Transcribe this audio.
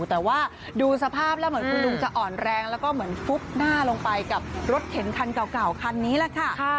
แต่ว่าดูสภาพแล้วเหมือนคุณลุงจะอ่อนแรงแล้วก็เหมือนฟุบหน้าลงไปกับรถเข็นคันเก่าคันนี้แหละค่ะ